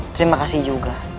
terima kasih juga